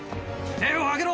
手を上げろ！